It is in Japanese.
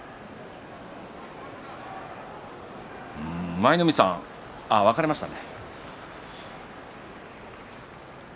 舞の海さん分かれましたね。